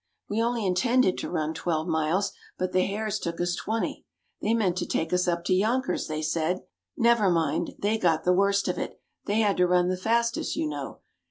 We only intended to run twelve miles, but the hares took us twenty; they meant to take us up to Yonkers, they said. Never mind; they got the worst of it they had to run the fastest, you know.